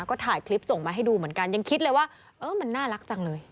ก็ถ่ายคลิปส่งมาให้ดูเหมือนกันยังคิดเลยว่าเออมันน่ารักจังเลย